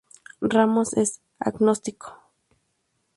Ramos es agnóstico.